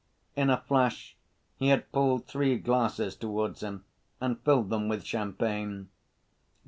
In a flash he had pulled three glasses towards him, and filled them with champagne.